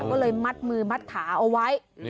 ก็เลยมัดมือมัดขาเอาไว้